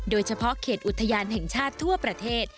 โดยเฉพาะเขตอุทยานแห่งชาติทั่วประเทศ